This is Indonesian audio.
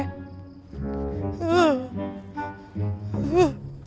gak mau gue